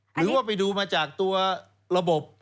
หรือว่าไปดูมาจากตัวระบบ